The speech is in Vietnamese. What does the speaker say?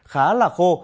khá là khô